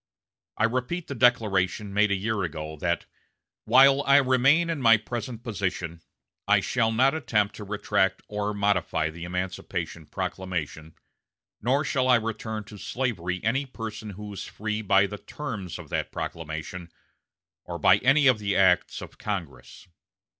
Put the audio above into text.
I repeat the declaration made a year ago, that 'While I remain in my present position I shall not attempt to retract or modify the emancipation proclamation, nor shall I return to slavery any person who is free by the terms of that proclamation, or by any of the acts of Congress.'